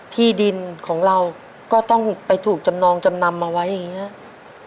ที่ดินของเราก็ต้องไปถูกจำนองจำนำเอาไว้อย่างนี้ครับ